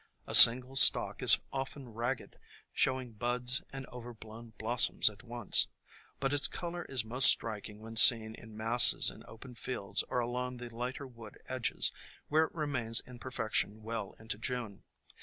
A single stalk is often ragged, showing buds and overblown blos soms at once ; but its color is most striking when seen in masses in open fields or along the lighter wood edges, where it remains in perfection well into June.